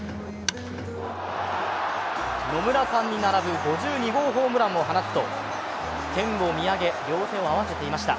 野村さんに並ぶ５２号ホームランを放つと、天を見上げ両手を合わせていました。